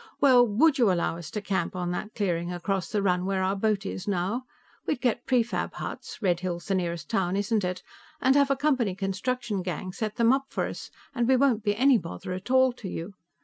Well, would you allow us to camp on that clearing across the run, where our boat is now? We'll get prefab huts Red Hill's the nearest town, isn't it? and have a Company construction gang set them up for us, and we won't be any bother at all to you.